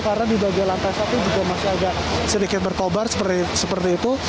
karena di bagian lantai satu juga masih ada sedikit berkobar seperti itu